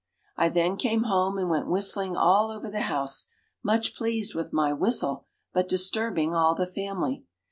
I then came home and went whistling all over the house, much pleased with my whistle, but disturbing all the family.